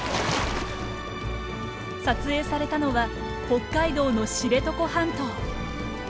撮影されたのは北海道の知床半島。